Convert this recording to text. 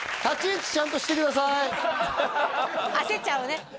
焦っちゃうのね